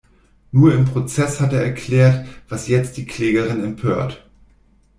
Nur im Prozess hat er erklärt, was jetzt die Klägerin empört.